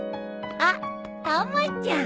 あったまちゃん！